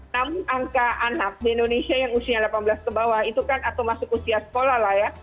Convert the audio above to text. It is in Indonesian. namun angka anak di indonesia yang usianya delapan belas ke bawah itu kan atau masuk usia sekolah lah ya